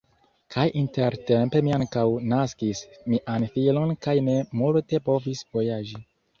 Kaj intertempe mi ankaŭ naskis mian filon kaj ne multe povis vojaĝi.